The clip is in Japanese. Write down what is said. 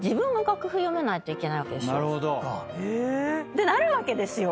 てなるわけですよ。